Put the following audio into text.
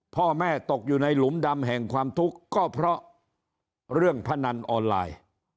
พ่อแม่ตกอยู่ในหลุมดำแห่งความทุกข์ก็เพราะเรื่องพนันออนไลน์